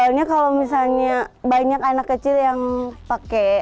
soalnya kalau misalnya banyak anak kecil yang pakai